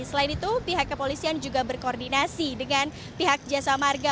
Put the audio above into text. selain itu pihak kepolisian juga berkoordinasi dengan pihak jasa marga